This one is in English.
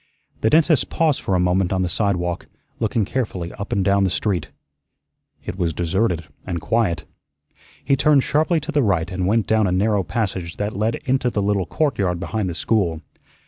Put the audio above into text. The dentist paused for a moment on the sidewalk, looking carefully up and down the street. It was deserted and quiet. He turned sharply to the right and went down a narrow passage that led into the little court yard behind the school.